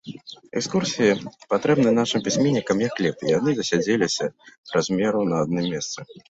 Экскурсіі патрэбны нашым пісьменнікам як хлеб, а яны засядзеліся праз меру на адным месцы.